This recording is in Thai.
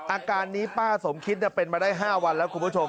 อาการนี้ป้าสมคิดเป็นมาได้๕วันแล้วคุณผู้ชม